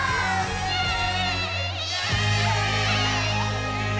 イエーイ！